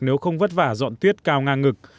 nếu không vất vả dọn tuyết cao ngang ngực